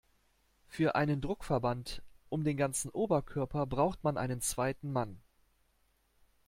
Für einen Druckverband um den ganzen Oberkörper braucht man einen zweiten Mann.